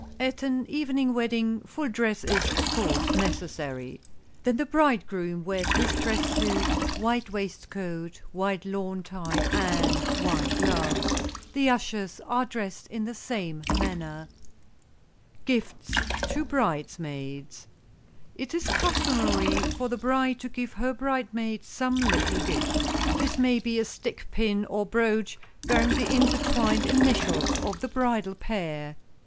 At an evening wedding full dress is, of course, necessary. Then the bridegroom wears his dress suit, white waistcoat, white lawn tie and white gloves. The ushers are dressed in the same manner. [Sidenote: GIFTS TO BRIDESMAIDS] It is customary for the bride to give her bridesmaids some little gift. This may be a stick pin or brooch bearing the intertwined initials of the bridal pair.